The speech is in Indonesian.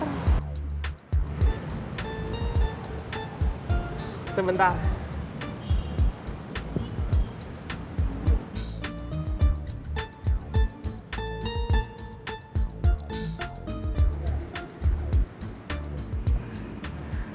kalau dia ngajak makan siang aku udah selesai